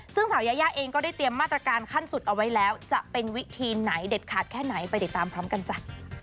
ซึ่งสาวยายาเองก็ได้เตรียมมาตรการขั้นสุดเอาไว้แล้วจะเป็นวิธีไหนเด็ดขาดแค่ไหนไปติดตามพร้อมกันจ้ะ